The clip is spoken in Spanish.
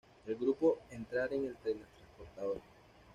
El grupo entrar en el teletransportador.